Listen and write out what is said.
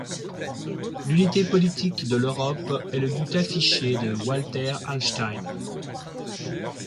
L'unité politique de l'Europe est le but affiché de Walter Hallstein.